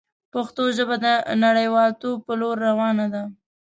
پښتو ژبه د نړیوالتوب په لور روانه ده.